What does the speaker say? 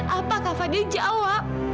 apa kak fadil jawab